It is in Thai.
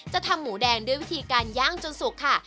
ทำหมูแดงด้วยวิธีการย่างจนสุกค่ะ